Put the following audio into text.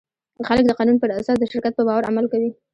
خلک د قانون پر اساس د شرکت په باور عمل کوي.